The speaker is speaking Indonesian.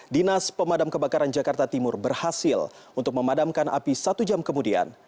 dinas pemadam kebakaran jakarta timur berhasil untuk memadamkan api satu jam kemudian